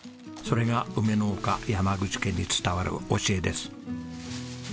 それが梅農家山口家に伝わる教えです。